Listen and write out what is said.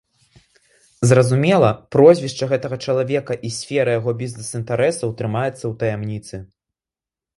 Зразумела, прозвішча гэтага чалавека і сфера яго бізнес-інтарэсаў трымаецца ў таямніцы.